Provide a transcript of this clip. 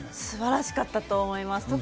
素晴らしかったと思います。